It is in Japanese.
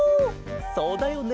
そうだよね